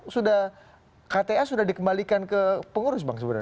sudah kta sudah dikembalikan ke pengurus bang sebenarnya